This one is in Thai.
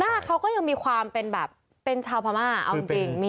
เขาก็ยังมีความเป็นแบบเป็นชาวพม่าเอาจริง